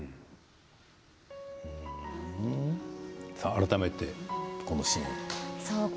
改めてこのシーンですね。